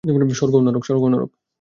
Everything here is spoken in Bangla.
স্বর্গ ও নরক।